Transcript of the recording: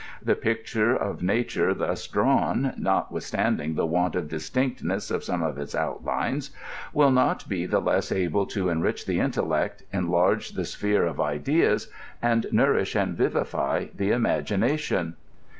The picture of nature thus drawn, notwithstanding tike want of distinctness of some of its outlines, will not be the less able to enrich the intellect, enlarge the sphere of ideas, and nourish and vivify the imagination.